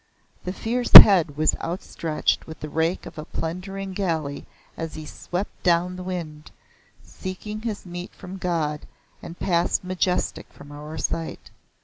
The fierce head was outstretched with the rake of a plundering galley as he swept down the wind, seeking his meat from God, and passed majestic from our sight.